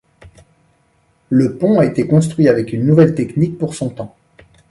Le pont a été construit avec une nouvelle technique pour son temps.